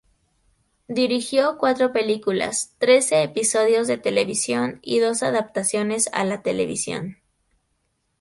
Dirigió cuatro películas, trece episodios de televisión y dos adaptaciones a la televisión.